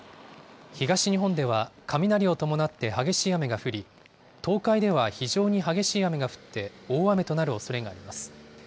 東日本では雷を伴って激しい雨が降り、東海では非常に激しい雨が降って、大雨となるおそれがあります。